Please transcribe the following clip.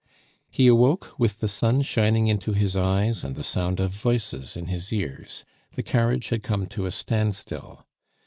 He awoke with the sun shining into his eyes, and the sound of voices in his ears. The carriage had come to a standstill.